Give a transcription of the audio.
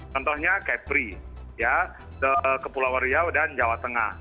contohnya kayak pri ya ke pulau riau dan jawa tengah